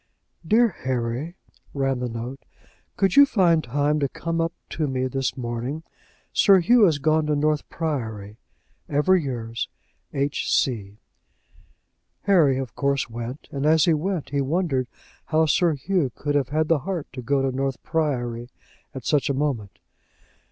"Dear Harry," ran the note, "Could you find time to come up to me this morning? Sir Hugh has gone to North Priory. Ever yours, H. C." Harry, of course, went, and as he went, he wondered how Sir Hugh could have had the heart to go to North Priory at such a moment.